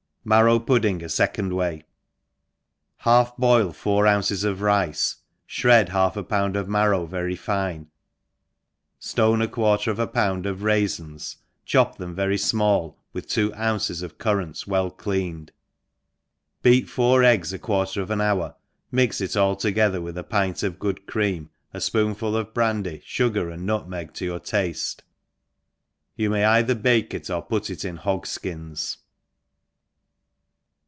Marrow Pudding afecondWay. HALF boil four ounces of rice, fhred half a pound of marrow very fine, ftone a quarter of apound of raifins, chop them very fmall, with t WQ ounces of currants well cleanfed, beat four, eggs a quarter of an hour, mix it all together with a pint of good cream, a fpoonful of brandy, fugar and nutmeg to your tafte; you may either bake it or put it in hogs fkins.